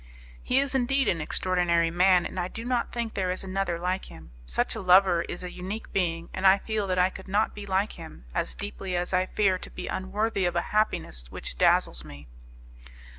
'" "He is indeed an extraordinary man, and I do not think there is another like him. Such a lover is a unique being; and I feel that I could not be like him, as deeply as I fear to be unworthy of a happiness which dazzles me."